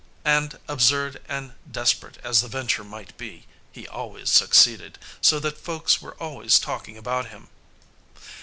And, absurd and desperate as the venture might be, he always succeeded, so that folks were always talking about him.